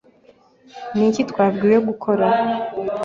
Ni iki twabwiwe gukora?